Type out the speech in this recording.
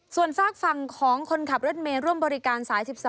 ส่วนฝากฝั่งของคนขับรถเมย์ร่วมบริการสาย๑๒